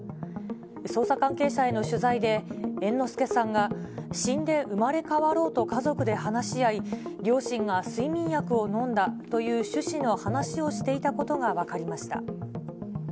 捜査関係者への取材で、猿之助さんが死んで生まれ変わろうと家族で話し合い、両親が睡眠薬を飲んだという趣旨の話をしていたことが分かりました。